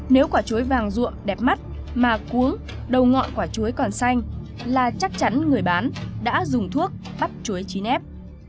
nếu quả chuối vàng ruộng đẹp mắt mà cuống đầu ngọn quả chuối còn xanh là chắc chắn người bán đã dùng thuốc bắp chuối chín ép